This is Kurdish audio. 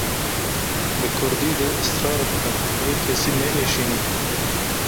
Di Kurdî de israr bikin lê kesî neêşînin.